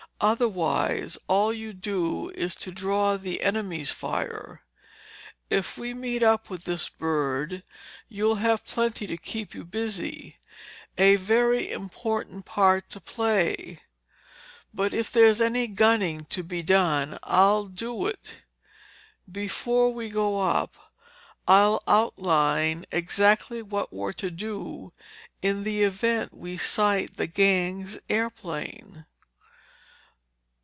Otherwise, all you do is to draw the enemy's fire. If we meet up with this bird you'll have plenty to keep you busy—a very important part to play. But if there's any gunning to be done, I'll do it. Before we go up, I'll outline exactly what we're to do in the event we sight the gang's airplane."